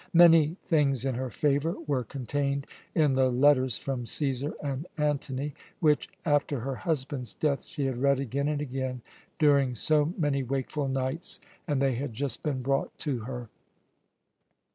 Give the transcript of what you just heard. Many things in her favour were contained in the letters from Cæsar and Antony which, after her husband's death, she had read again and again during so many wakeful nights, and they had just been brought to her.